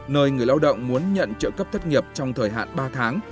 nơi người lao động muốn nhận trợ cấp thất nghiệp trong thời hạn ba tháng